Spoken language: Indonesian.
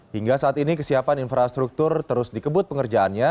hingga saat ini kesiapan infrastruktur terus dikebut pengerjaannya